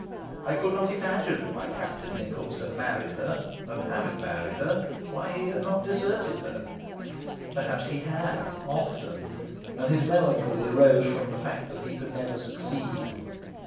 I could not imagine why Captain Nichols had married her, and having married her why he had not deserted her. Perhaps he had, often, and his melancholy arose from the fact that he could never succeed.